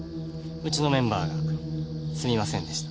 うちのメンバーがすみませんでした。